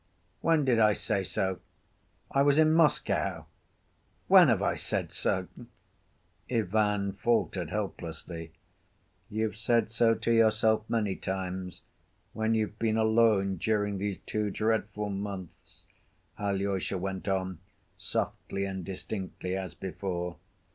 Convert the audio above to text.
"When did I say so? I was in Moscow.... When have I said so?" Ivan faltered helplessly. "You've said so to yourself many times, when you've been alone during these two dreadful months," Alyosha went on softly and distinctly as before.